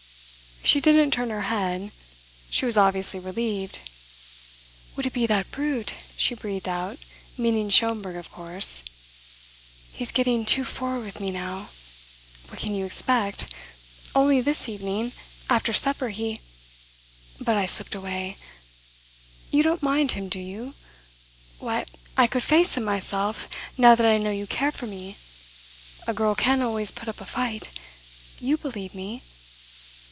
She didn't turn her head. She was obviously relieved. "Would it be that brute?" she breathed out, meaning Schomberg, of course. "He's getting too forward with me now. What can you expect? Only this evening, after supper, he but I slipped away. You don't mind him, do you? Why, I could face him myself now that I know you care for me. A girl can always put up a fight. You believe me?